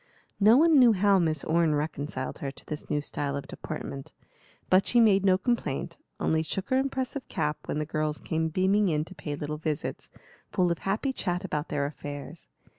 No one knew how Miss Orne reconciled her to this new style of deportment; but she made no complaint, only shook her impressive cap when the girls came beaming in to pay little visits, full of happy chat about their affairs.